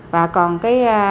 và còn cái